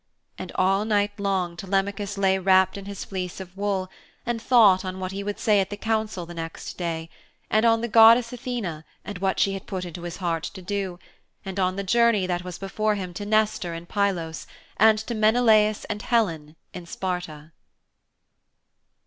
And all night long Telemachus lay wrapped in his fleece of wool and thought on what he would say at the council next day, and on the goddess Athene and what she had put into his heart to do, and on the journey that was before him to Nestor in Pylos and to Menelaus and Helen in Sparta.